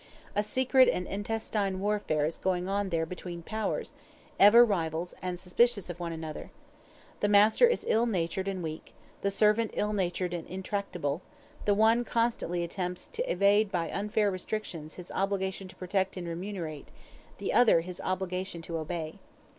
A secret and intestine warfare is going on there between powers, ever rivals and suspicious of one another: the master is ill natured and weak, the servant ill natured and intractable; the one constantly attempts to evade by unfair restrictions his obligation to protect and to remunerate the other his obligation to obey.